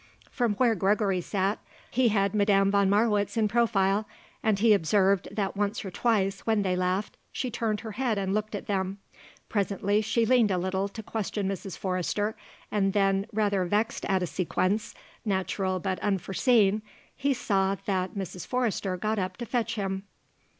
From where Gregory sat he had Madame von Marwitz in profile and he observed that once or twice, when they laughed, she turned her head and looked at them. Presently she leaned a little to question Mrs. Forrester and then, rather vexed at a sequence, natural but unforeseen, he saw that Mrs. Forrester got up to fetch him.